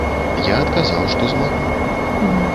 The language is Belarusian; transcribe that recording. Я адказаў, што змагу.